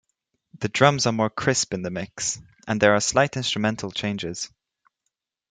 The drums are more crisp in the mix, and there are slight instrumental changes.